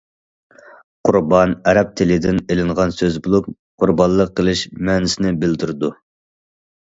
قۇربان ئەرەب تىلىدىن ئېلىنغان سۆز بولۇپ،‹‹ قۇربانلىق قىلىش›› مەنىسىنى بىلدۈرىدۇ.